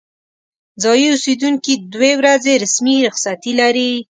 ځايي اوسیدونکي دوې ورځې رسمي رخصتي لري.